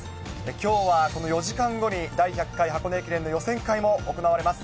きょうはこの４時間後に第１００回箱根駅伝の予選会も行われます。